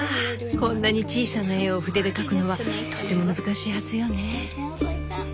こんなに小さな絵を筆で描くのはとても難しいはずよね。